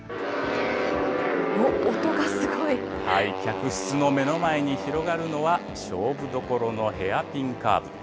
客室の目の前に広がるのは、勝負どころのヘアピンカーブ。